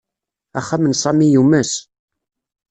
Axxam n Sami yumes.